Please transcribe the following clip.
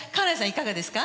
いかがですか？